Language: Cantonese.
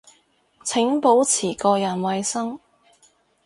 請保持個人衛生